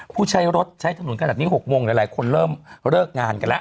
ผู้ใช้รถใช้ถนนขนาดนี้๖โมงหลายคนเริ่มเลิกงานกันแล้ว